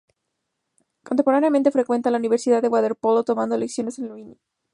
Contemporáneamente frecuenta la Universidad de Waterloo tomando lecciones con el Maestro Victor Martens.